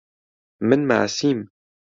من ماسیم.